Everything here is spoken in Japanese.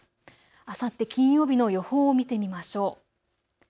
あさって金曜日の予報を見てみましょう。